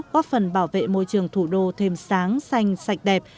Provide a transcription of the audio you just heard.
góp phần bảo vệ môi trường thủ đô thêm sáng xanh sạch đẹp